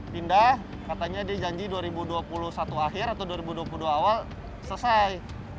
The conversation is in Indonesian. pindah katanya dia janji dua ribu dua puluh satu akhir atau dua ribu dua puluh dua awal selesai